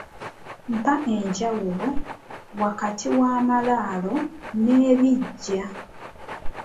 Mpa enjawulo wakati w’amaalaalo n’ebiggya.